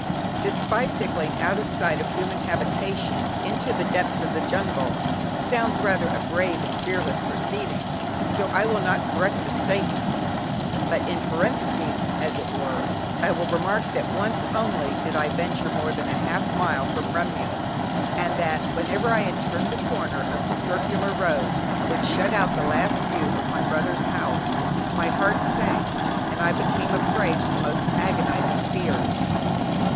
This bicycling out of sight of human habitation, into the depths of the jungle, sounds rather a brave and fearless proceeding, so I will not correct the statement, but in parenthesis, as it were, I will remark that once only did I venture more than half a mile from Remyo, and that whenever I had turned the corner of the circular road, which shut out the last view of my brother's house, my heart sank, and I became a prey to the most agonising fears.